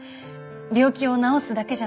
病気を治すだけじゃない。